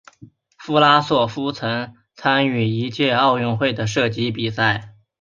弗拉索夫曾参与一届奥运会的射击比赛。